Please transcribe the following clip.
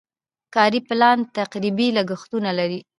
کاري پلان تقریبي لګښتونه لري.